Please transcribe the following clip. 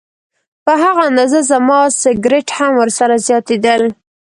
په هغه اندازه زما سګرټ هم ورسره زیاتېدل.